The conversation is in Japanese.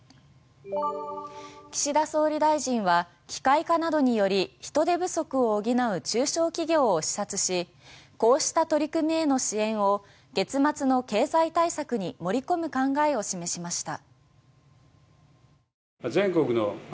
岸田総理大臣は機械化などにより人手不足を補う中小企業を視察しこうした取り組みへの支援を月末の経済対策に盛り込む考えを示しました。